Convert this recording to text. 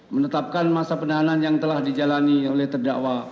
menetapkan masa penahanan yang telah dijalani oleh terdakwa